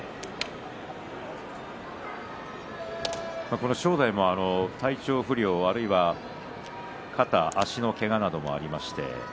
この正代も体調不良、あるいは肩、足のけがなどもありました。